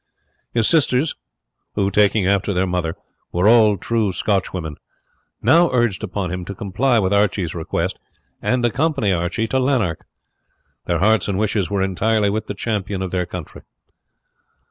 His sisters, who, taking after their mother, were all true Scotchwomen, now urged upon him to comply with Archie's request and accompany him to Lanark. Their hearts and wishes were entirely with the champion of their country.